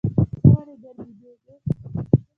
ته ولي ډېر بیدېږې؟